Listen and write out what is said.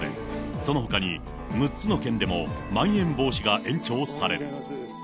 そのほかに６つの県でもまん延防止が延長される。